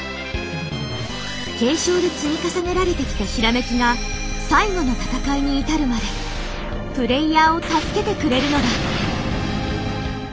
継承で積み重ねられてきた閃きが最後の戦いに至るまでプレイヤーを助けてくれるのだ。